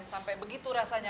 sampai begitu rasanya